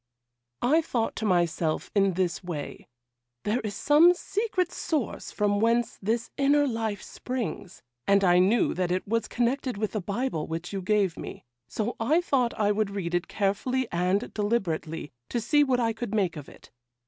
'I thought to myself in this way, "There is some secret source from whence this inner life springs;" and I knew that it was connected with the Bible which you gave me, and so I thought I would read it carefully and deliberately, to see what I could make of it.